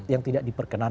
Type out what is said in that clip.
yang tidak diperkenankan